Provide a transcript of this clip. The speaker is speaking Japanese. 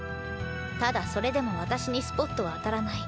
ただそれでも私にスポットは当たらない。